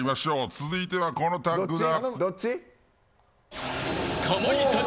続いてはこのタッグだ。